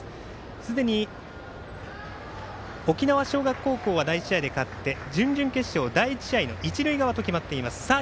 すでに沖縄尚学高校は第１試合で勝って準々決勝第１試合の一塁側と決まっています。